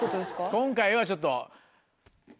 今回はちょっと。